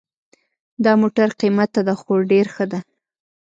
دا موټر قیمته ده خو ډېر ښه ده